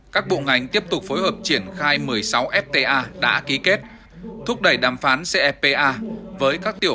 các bộ ngành tiếp tục phối hợp triển khai một mươi sáu fta đã ký kết thúc đẩy đàm phán cfpa với các tiểu